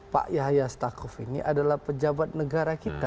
pak yahya stakuf ini adalah pejabat negara kita